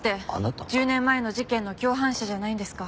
１０年前の事件の共犯者じゃないんですか？